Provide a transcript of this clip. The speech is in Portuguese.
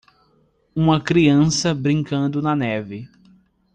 uma criança brincando na neve.